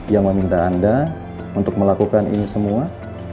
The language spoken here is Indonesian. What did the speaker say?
yang meminta anda untuk melakukan ini semua